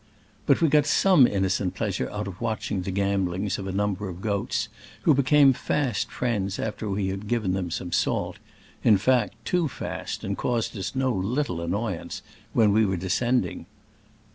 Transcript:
But we got some innocent pleasure out of watching the gambolings of a number of goats, who became fast friends after we had given them some salt — in fact, too fast, and caused us no little annoyance when we were descending.